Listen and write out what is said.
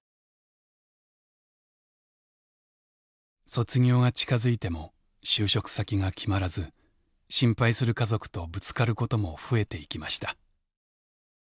卒業が近づいても就職先が決まらず心配する家族とぶつかることも増えていきました。